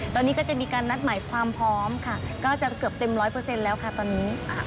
ตอนนี้ก็จะมีการนัดหมายความพร้อมค่ะก็จะเกือบเต็ม๑๐๐แล้วค่ะตอนนี้